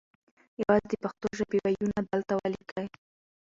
یوازې د پښتو ژبې وییونه دلته وليکئ